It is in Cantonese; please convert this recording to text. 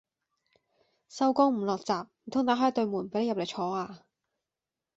收工唔落閘，唔通打開對門俾你入嚟坐呀